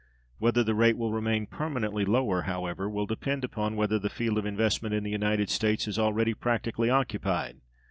Whether the rate will remain "permanently lower," however, will depend upon whether the field of investment in the United States is already practically occupied.